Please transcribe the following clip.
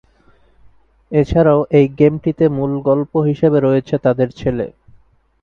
এছাড়াও এই গেমটিতে মূল গল্প হিসেবে রয়েছে তাদের ছেলে।